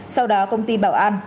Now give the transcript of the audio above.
sau đó công ty bảo an